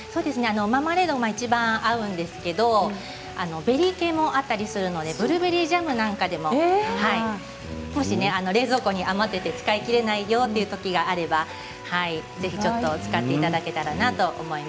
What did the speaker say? マーマレードがいちばん合うんですがベリー系も合うのでブルーベリージャムなんかでももし冷蔵庫に余っていて使い切れないよというときがあればぜひ使っていただけたらな